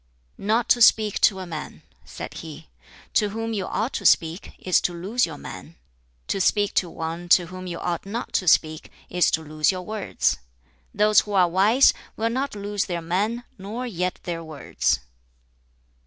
"Not to speak to a man." said he, "to whom you ought to speak, is to lose your man; to speak to one to whom you ought not to speak is to lose your words. Those who are wise will not lose their man nor yet their words."